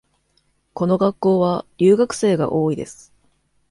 この学校は留学生が多いです。